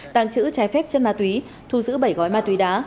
tàng trữ trái phép chân ma túy thu giữ bảy gói ma túy đá